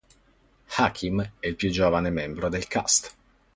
Hakim è il più giovane membro del cast.